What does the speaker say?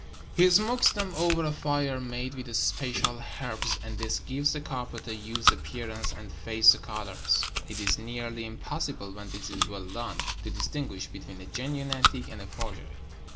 He smokes them over a fire made with special herbs, and this gives the carpet a used appearance and fades the colors. It is nearly im possible, when this is well done, to distinguish between a genuine antique and a forgery.